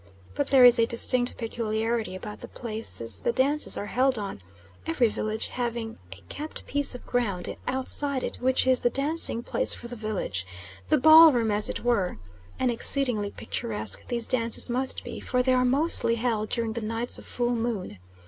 But there is a distinct peculiarity about the places the dances are held on, every village having a kept piece of ground outside it which is the dancing place for the village the ball room as it were; and exceedingly picturesque these dances must be, for they are mostly held during the nights of full moon.